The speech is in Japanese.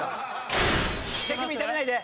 手首痛めないで！